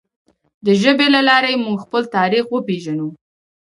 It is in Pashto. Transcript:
د ژبې له لارې موږ خپل تاریخ وپیژنو.